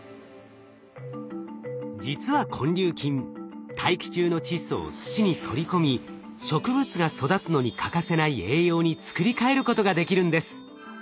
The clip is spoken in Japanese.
実は根粒菌大気中の窒素を土に取り込み植物が育つのに欠かせない栄養に作り変えることができるんです。